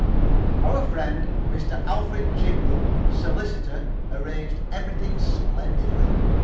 [Pg 88]Our friend, Mr. Alfred Jingle, solicitor, arranged everything splendidly.